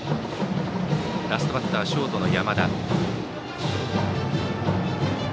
ラストバッターはショートの山田。